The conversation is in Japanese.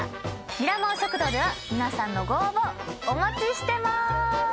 ミラモン食堂では皆さんのご応募お待ちしてます。